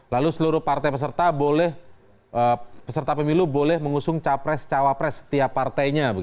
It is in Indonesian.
lalu seluruh partai peserta boleh peserta pemilu boleh mengusung capres cawapres setiap partainya